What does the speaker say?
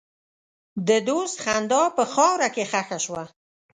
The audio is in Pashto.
د دوست خندا په خاوره کې ښخ شوه.